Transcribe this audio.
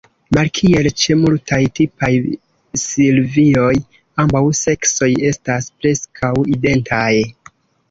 Malkiel ĉe multaj tipaj silvioj, ambaŭ seksoj estas preskaŭ identaj.